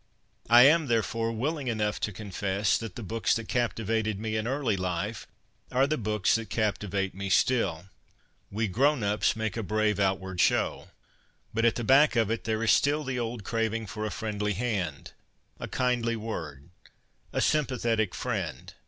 I am, therefore, willing enough to confess that the books that captivated me in early life are the books that captivate me still. We ' grown ups ' make a brave outward show, but at the back of it there is still the old craving for a friendly hand, a kindly word, a sympathetic friend.